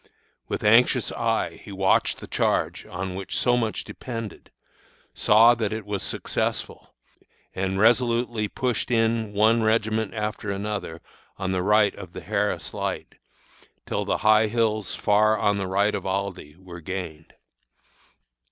With anxious eye he watched the charge, on which so much depended, saw that it was successful, and quickly and resolutely pushed in one regiment after another on the right of the Harris Light, till the high hills far on the right of Aldie were gained.